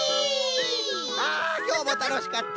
あきょうもたのしかった！